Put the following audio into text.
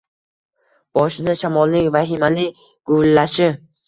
Boshida shamolning vahimali guvillashi…